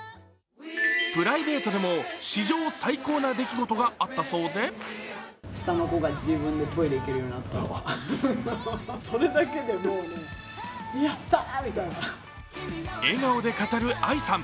プライベートでも史上最高な出来事があったそうで笑顔で語るＡＩさん。